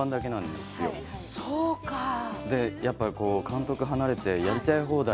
で、やっぱ、監督離れてやりたい放題。